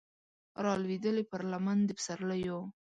رالویدلې پر لمن د پسرلیو